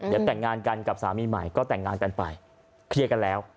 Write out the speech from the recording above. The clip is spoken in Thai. เดี๋ยวแต่งงานกันกับสามีใหม่ก็แต่งงานกันไปเคลียร์กันแล้ว